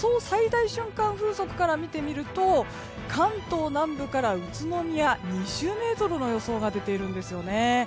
最大瞬間風速から見てみると関東南部から宇都宮２０メートルの予想が出ているんです。